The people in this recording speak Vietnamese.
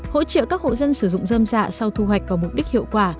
hỗ trợ các hộ dân sử dụng dơm dạ sau thu hoạch vào mục đích hiệu quả